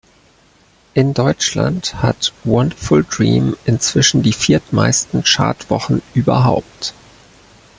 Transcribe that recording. In Deutschland hat "Wonderful Dream" inzwischen die viertmeisten Chartwochen überhaupt.